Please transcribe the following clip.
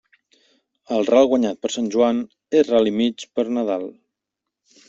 El ral guanyat per Sant Joan, és ral i mig per Nadal.